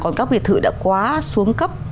còn các biệt thự đã quá xuống cấp